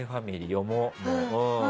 読もう。